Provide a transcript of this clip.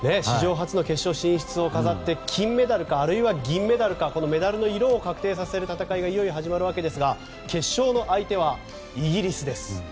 史上初の決勝進出を飾って金メダルか、あるいは銀メダルかメダルの色を確定させる戦いがいよいよ始まりますが決勝の相手はイギリスです。